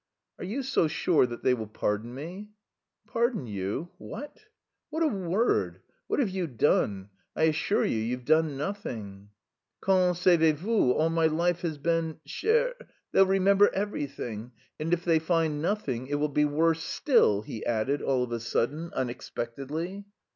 "Are you so sure that they will pardon me?" "Pardon you? What! What a word! What have you done? I assure you you've done nothing." "Qu'en savez vous; all my life has been... cher... They'll remember everything... and if they find nothing, it will be worse still," he added all of a sudden, unexpectedly.